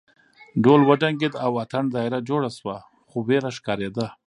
ډول وډنګېد او اتڼ دایره جوړه شوه خو وېره ښکارېده.